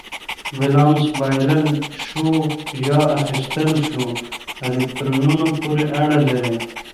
ولانس بایلل شوو یا اخیستل شوو الکترونونو پورې اړه لري.